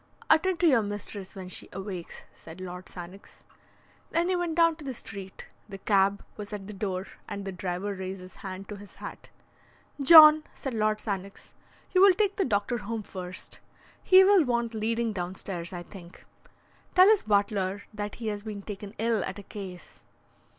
"Attend to your mistress when she awakes," said Lord Sannox. Then he went down to the street. The cab was at the door, and the driver raised his hand to his hat. "John," said Lord Sannox, "you will take the doctor home first. He will want leading downstairs, I think. Tell his butler that he has been taken ill at a case."